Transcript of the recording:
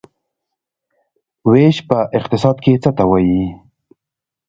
ویش په اقتصاد کې څه ته وايي؟